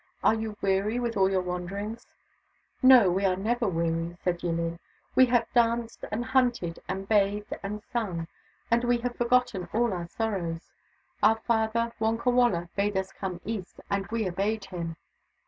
Are you weary with all your wanderings ?"" No, we are never weary," said Yillin. " We have danced, and hunted, and bathed, and sung ; and we have forgotten all our sorrows. Our father, Wonkawala, bade us come east, and we obeyed him."